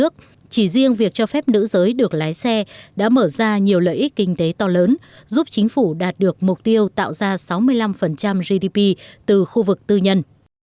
chính phủ mexico đã đạt được mục tiêu tạo ra sáu mươi năm gdp từ khu vực tư nhân